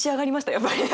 やっぱり。